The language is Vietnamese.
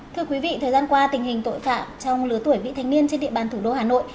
thưa quý vị thời gian qua tình hình tội phạm trong lứa tuổi vị thanh niên trên địa bàn thủ đô hà nội